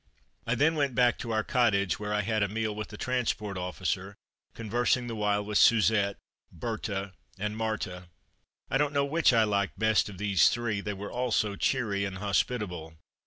I then went back to our cottage, where I had a meal with the transport officer, conversing the while with Suzette, Berthe and Marthe. I don't know which I liked the best of these three, they were all so cheery and hospitable.